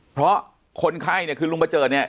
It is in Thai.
เพราะคนไข้คือลุงประเจิด